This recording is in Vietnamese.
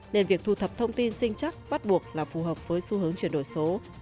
nên việc thu thập thông tin sinh chắc bắt buộc là phù hợp với xu hướng chuyển đổi số